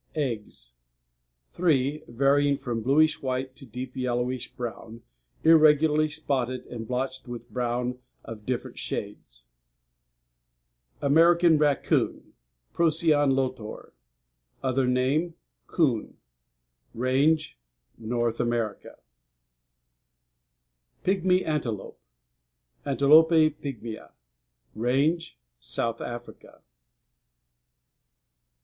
EGGS Three, varying from bluish white to deep yellowish brown, irregularly spotted and blotched with brown of different shades. Page 90. =AMERICAN RACCOON.= Procyon lotor. Other name: Coon. RANGE North America. Page 94. =PIGMY ANTELOPE.= Antilope pigmæa. RANGE South Africa.